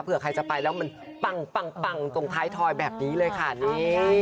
ใครจะไปแล้วมันปังตรงท้ายทอยแบบนี้เลยค่ะนี่